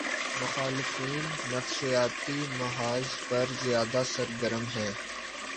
مخالفین نفسیاتی محاذ پر زیادہ سرگرم ہیں۔